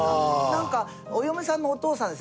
なんかお嫁さんのお父さんですね